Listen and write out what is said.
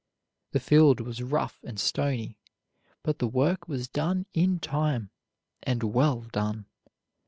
The field was rough and stony, but the work was done in time, and well done.